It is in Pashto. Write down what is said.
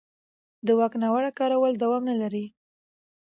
د واک ناوړه کارول دوام نه لري